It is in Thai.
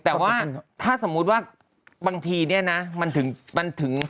แต่ว่าถ้าสมมุติว่าบางทีเนี่ยนะมันถึงมันถึง